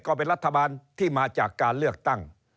ก็เป็นรัฐบาลที่มาจากการเลือกตั้ง